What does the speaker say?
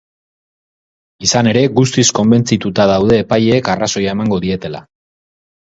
Izan ere, guztiz konbentzituta daude epaileek arrazoia emango dietela.